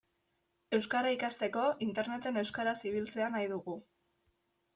Euskara ikasteko Interneten euskaraz ibiltzea nahi dugu.